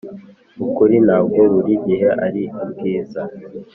ukuri ntabwo buri gihe ari ubwiza,